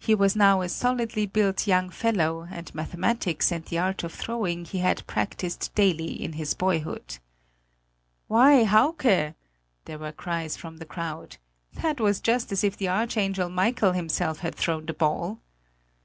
He was now a solidly built young fellow, and mathematics and the art of throwing he had practised daily in his boyhood. "Why, Hauke!" there were cries from the crowd; "that was just as if the archangel Michael himself had thrown the ball!"